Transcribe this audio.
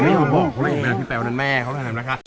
พี่แป๊วนั้นแม่เข้าครับ